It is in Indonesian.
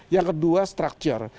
yang kedua structure